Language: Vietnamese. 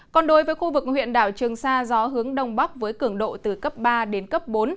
còn đối với khu vực huyện đảo trường sa gió hướng đông bắc với cường độ từ cấp ba đến cấp bốn